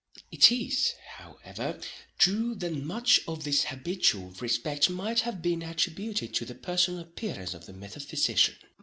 It is, however, true that much of this habitual respect might have been attributed to the personal appearance of the metaphysician.